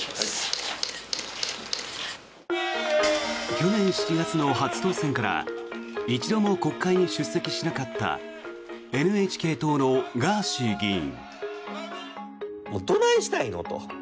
去年７月の初当選から一度も国会に出席しなかったＮＨＫ党のガーシー議員。